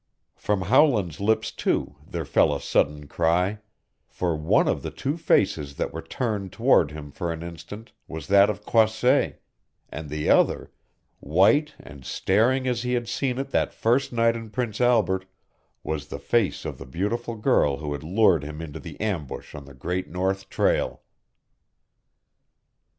From Howland's lips, too, there fell a sudden cry; for one of the two faces that were turned toward him for an instant was that of Croisset, and the other white and staring as he had seen it that first night in Prince Albert was the face of the beautiful girl who had lured him into the ambush on the Great North Trail!